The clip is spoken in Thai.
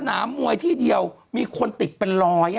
นามมวยที่เดียวมีคนติดเป็นร้อย